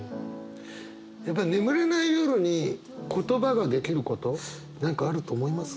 やっぱり眠れない夜に言葉ができること何かあると思います？